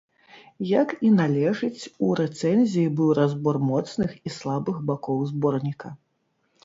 Як і належыць, у рэцэнзіі быў разбор моцных і слабых бакоў зборніка.